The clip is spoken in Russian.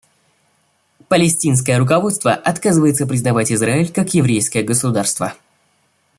Палестинское руководство отказывается признавать Израиль как еврейское государство.